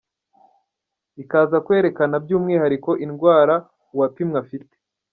ikaza kwerekana by’umwihariko indwara uwapimwe afite.